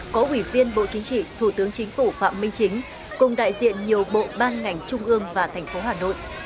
có ủy viên bộ chính trị thủ tướng chính phủ phạm minh chính cùng đại diện nhiều bộ ban ngành trung ương và thành phố hà nội